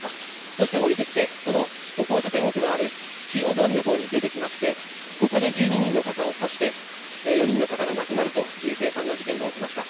そして、降りてきて歩行者天国のある中央通りの方に出てきまして、ここで１２人の方を刺して、４人の方が亡くなるという凄惨な事件が起きました。